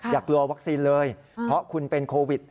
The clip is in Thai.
อย่ากลัววัคซีนเลยเพราะคุณเป็นโควิด